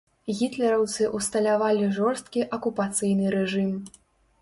Гітлераўцы ўсталявалі жорсткі акупацыйны рэжым.